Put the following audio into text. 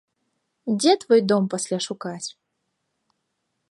Дзе твой дом пасля шукаць?